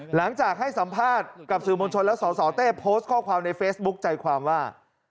หลังจากให้สัมภาษณ์กับสื่อมวลชนและสสเต้โพสต์ข้อความในเฟซบุ๊คใจความว่า